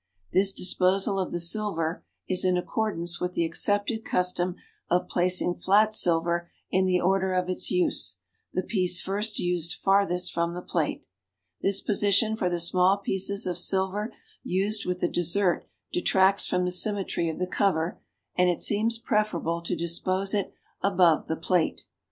This disposal of the silver is in accordance with the accepted custom of placing flat siher in the order of its use, the piece first used farthest from the plate. This position for the small pieces of silver used with the dessert detracts from the symmetry of the cover and it seems preferable to dispose it above the plate.